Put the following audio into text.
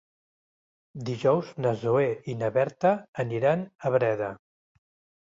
Dijous na Zoè i na Berta aniran a Breda.